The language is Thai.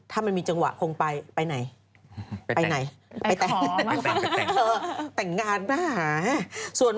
ถ้ามันมีจังหวะคงไปไปไหน